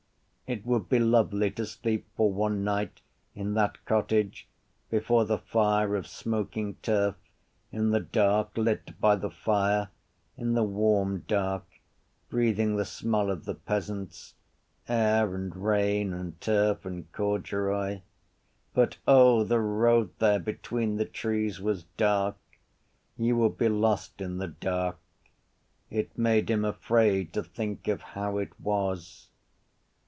It would be lovely to sleep for one night in that cottage before the fire of smoking turf, in the dark lit by the fire, in the warm dark, breathing the smell of the peasants, air and rain and turf and corduroy. But, O, the road there between the trees was dark! You would be lost in the dark. It made him afraid to think of how it was.